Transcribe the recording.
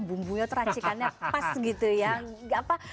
bumbunya teracikannya pas gitu ya